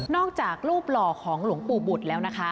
จากรูปหล่อของหลวงปู่บุตรแล้วนะคะ